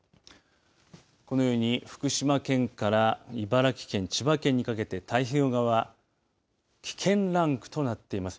このように福島県から茨城県千葉県にかけて太平洋側危険ランクとなっています。